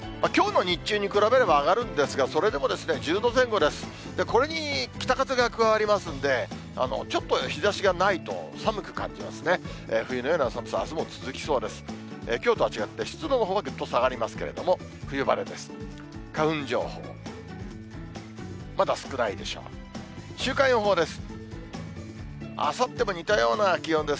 きょうとは違って湿度のほうはぐっと下がりますけれども、冬晴れです。